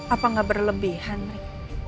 apa nggak berlebihan rick